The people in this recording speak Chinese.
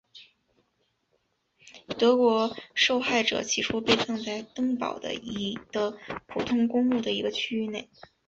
德国受害者起初被葬在登堡的普通公墓的一个区域内。